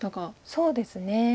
そうですね。